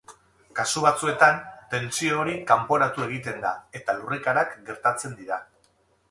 Kasu batzuetan, tentsio hori kanporatu egiten da eta lurrikarak gertatzen dira.